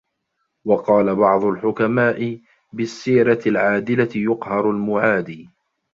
وَقَالَ بَعْضُ الْحُكَمَاءِ بِالسِّيرَةِ الْعَادِلَةِ يُقْهَرُ الْمُعَادِي